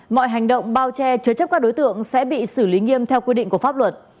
mọi hành động bao che chứa chấp các đối tượng sẽ bị xử lý nghiêm theo quy định của pháp luật